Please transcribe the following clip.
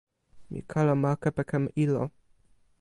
mi kalama kepeken ilo.